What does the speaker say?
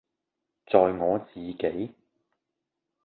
在我自己，